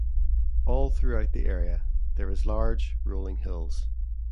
All throughout the area, there is large, rolling hills.